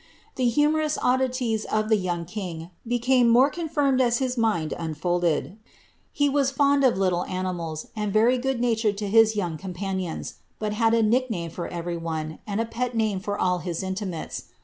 The humor ous oddities of the young king became more confirmed as his mind un folded \ he was fond of little animals, and very good naiured to hia young companions, but had a nick name for every one, and a pel name for all his iulimates.